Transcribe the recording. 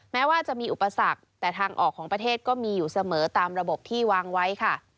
แม้ว่าจะมีอุปสรรคแต่ทางออกของประเทศก็มีอยู่เสมอตามระบบที่วางไว้ค่ะ